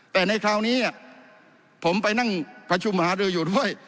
แต่ในคราวนี้ผมไปนั่งประชุมหารืออยู่ด้วย